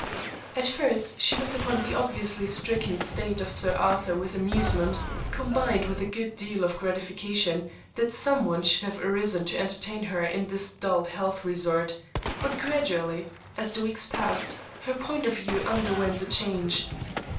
At first she looked upon the obviously stricken state of Sir Arthur with amusement, combined with a good deal of gratification that some one should have arisen to entertain her in this dull health resort; but gradually, as the weeks passed, her point of view underwent a change.